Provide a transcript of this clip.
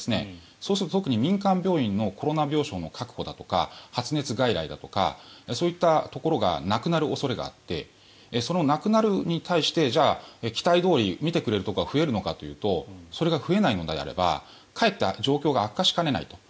そうすると、特に民間病院のコロナ病床の確保だとか発熱外来だとかそういったところがなくなる恐れがあってそのなくなることに対して期待どおり診てくれるところが増えるのかというとそれが増えないのであればかえって状況が悪化しかねないと。